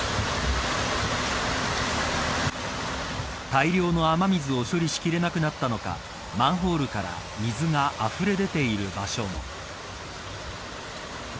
大量の雨水を処理しきれなくなったのかマンホールから水があふれ出ている場所も。